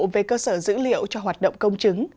về cơ sở dữ liệu cho hoạt động công chứng